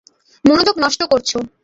মনোযোগ নষ্ট করছো।